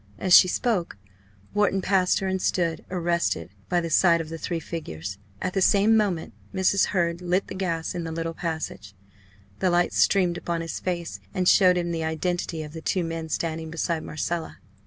As she spoke, Wharton passed her, and stood arrested by the sight of the three figures. At the same moment Mrs. Hurd lit the gas in the little passage. The light streamed upon his face, and showed him the identity of the two men standing beside Marcella.